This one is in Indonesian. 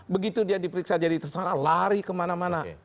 begitu dia diperiksa jadi tersangka lari kemana mana